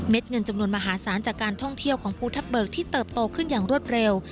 เงินจำนวนมหาศาลจากการท่องเที่ยวของภูทับเบิกที่เติบโตขึ้นอย่างรวดเร็ว